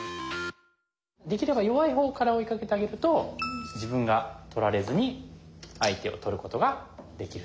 できれば弱い方から追いかけてあげると自分が取られずに相手を取ることができると。